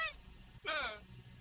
aku belah diri